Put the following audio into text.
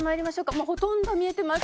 もうほとんど見えてます。